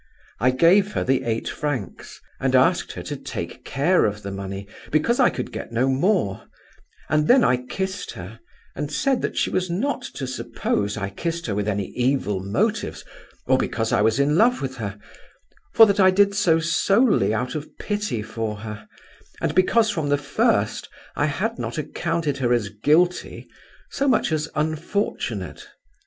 I gave her the eight francs and asked her to take care of the money because I could get no more; and then I kissed her and said that she was not to suppose I kissed her with any evil motives or because I was in love with her, for that I did so solely out of pity for her, and because from the first I had not accounted her as guilty so much as unfortunate.